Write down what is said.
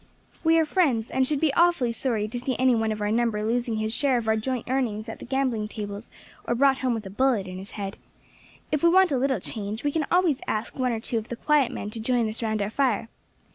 We are friends, and should be awfully sorry to see any one of our number losing his share of our joint earnings at the gambling tables, or brought home with a bullet hole in his head. "If we want a little change, we can always ask one or two of the quiet men to join us round our fire.